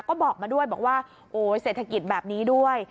ก็บอกมาด้วยบอกว่าโอ้เศรษฐกิจแบบนี้ด้วย